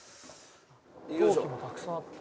陶器もたくさんあって。